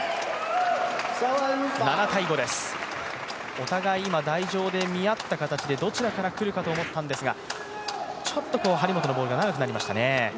お互い今、台上で見合った形でどちらからくるかと思ったんですがちょっと、張本のボールが長くなりましたね。